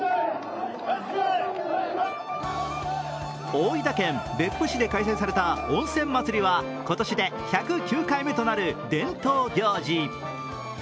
大分県別府市で開催された温泉まつりは今年で１０９回目となる伝統行事。